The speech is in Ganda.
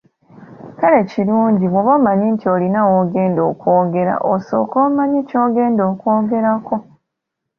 Kale kirungi bw’oba omanyi nti olina w’ogenda okwogera osooke omanye ky’ogenda okwgerako.